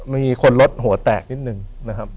มีคนรถหัวแตกนิดนึงนะครับ